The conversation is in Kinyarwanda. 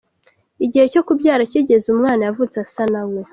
Igihe cyo kubyara kigeze umwana yavutse asa nawe.